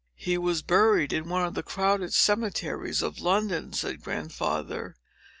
"He was buried in one of the crowded cemeteries of London," said Grandfather.